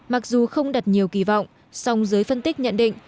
mặc dù không đặt nhiều kỳ vọng song giới phân tích nhận định